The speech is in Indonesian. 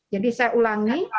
jadi saya ulangi